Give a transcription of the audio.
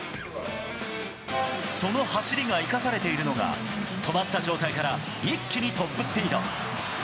その走りが生かされているのが、止まった状態から一気にトップスピード。